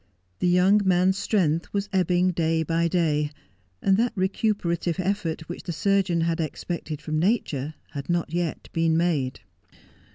The young man's strength was ebbing day by day, and that recuperative effort which the surgeon had expected from nature had not yet been made.